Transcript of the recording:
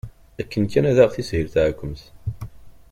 Akken kan ad aɣ-teshil teɛkemt.